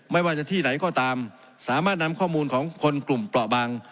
ไม่ว่าจะที่ไหนก็ตามสามารถนำข้อมูลของคนกลุ่มเปราะบาง